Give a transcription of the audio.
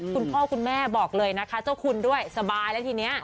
คุณพ่อคุณแม่บอกเลยนะคะเจ้าคุณด้วยสบายแล้วทีนี้